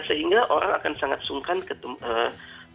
sehingga orang akan sangat sungkan bertukar fikiran dengan donald trump